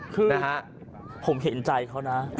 คือผมเห็นใจเขานะ